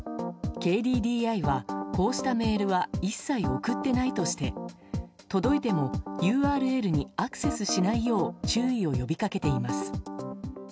ＫＤＤＩは、こうしたメールは一切送ってないとして届いてもＵＲＬにアクセスしないよう注意を呼びかけています。